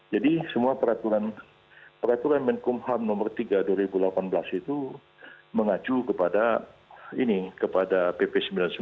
jadi semua peraturan menteri hukum dan ham nomor tiga tahun dua ribu delapan belas itu mengacu kepada pp sembilan puluh sembilan